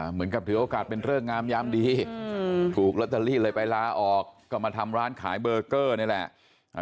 เหมือนกับถือโอกาสเป็นเริกงามยามดีถูกลอตเตอรี่เลยไปลาออกก็มาทำร้านขายเบอร์เกอร์นี่แหละ